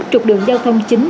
trục đường giao thông chính